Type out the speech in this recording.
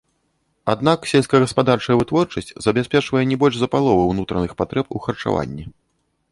Аднак сельскагаспадарчая вытворчасць забяспечвае не больш за палову ўнутраных патрэб у харчаванні.